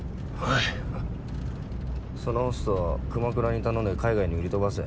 そのホスト熊倉に頼んで海外に売り飛ばせ。